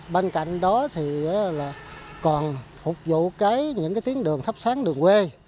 bên cạnh đó thì là còn phục vụ cái những cái tiếng đường thắp sáng đường quê